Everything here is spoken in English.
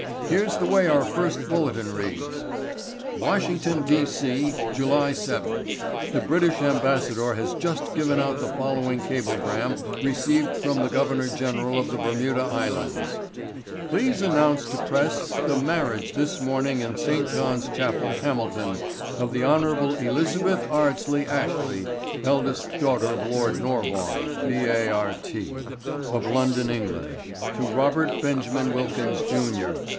Here's the way our first bulletin reads: "'Washington, D. C.—July 7—The British ambassador has just given out the following cablegram received from the Governor General of the Bermuda Islands:—'Please announce to press the marriage this morning in St. John's chapel, Hamilton, of the Hon. Elizabeth Ardsley Ashley, eldest daughter of Lord Norbonne, Bart., of London, England, to Robert Benjamin Wilkins, Jr.